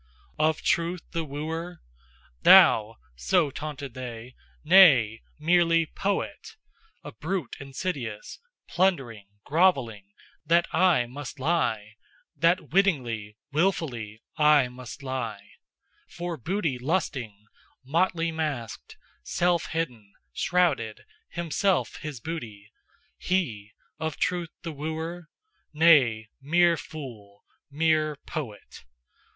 "Of TRUTH the wooer? Thou?" so taunted they "Nay! Merely poet! A brute insidious, plundering, grovelling, That aye must lie, That wittingly, wilfully, aye must lie: For booty lusting, Motley masked, Self hidden, shrouded, Himself his booty HE of truth the wooer? Nay! Mere fool! Mere poet!